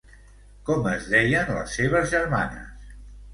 Com es deien les seves germanes?